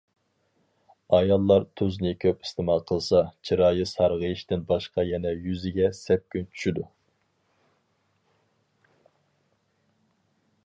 ئاياللار تۇزنى كۆپ ئىستېمال قىلسا، چىرايى سارغىيىشتىن باشقا يەنە يۈزىگە سەپكۈن چۈشىدۇ.